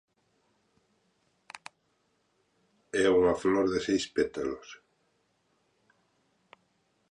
É unha flor de seis pétalos.